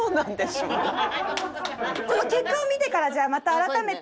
この結果を見てからじゃあまた改めて。